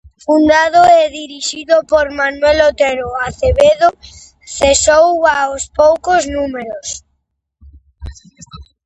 Fundado e dirixido por Manuel Otero Acevedo, cesou aos poucos números.